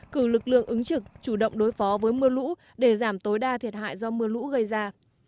cử lực lượng ứng trực chủ động đối phó với mưa lũ để giảm tối đa thiệt hại do mưa lũ gây ra